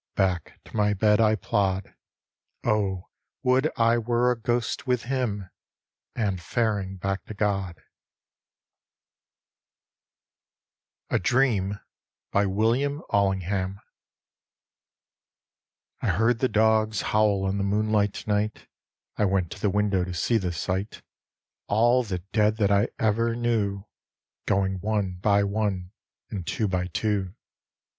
Back to my bed I plod ; Oh, would I were a ghost with him. And faring back to Godl A DREAM : william alunoham I beard the dogs howl in the moonlight night; I went to the window to sec the sight; All the dead that ever I knew Going one by one and two by two.